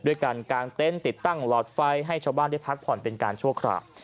การกางเต็นต์ติดตั้งหลอดไฟให้ชาวบ้านได้พักผ่อนเป็นการชั่วคราว